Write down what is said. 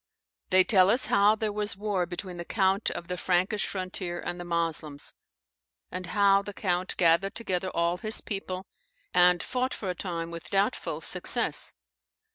] They tell us how there was war between the count of the Frankish frontier and the Moslems, and how the count gathered together all his people, and fought for a time with doubtful success.